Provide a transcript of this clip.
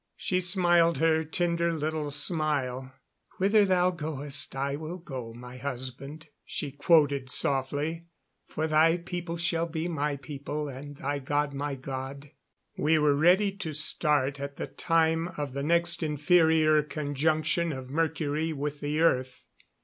She smiled her tender little smile. "'Whither thou goest, I will go,' my husband," she quoted softly, "'for thy people shall be my people, and thy God my God.'" We were ready to start at the time of the next inferior conjunction of Mercury with the earth.